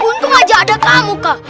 untung aja ada kamu kak